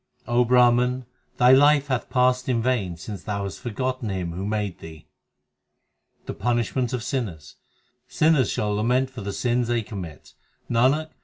O Brahman, thy life hath passed in vain since thou hast forgotten Him who made thee. The punishment of sinners : Sinners shall lament for the sins they commit : 1 The congregation of saints.